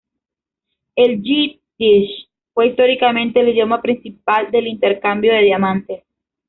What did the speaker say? El yiddish fue, históricamente, el idioma principal del intercambio de diamantes.